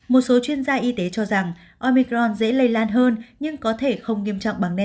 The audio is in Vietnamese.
một số chuyên gia y tế cho rằng omicron dễ lây lan hơn nhưng có thể không nghiêm trọng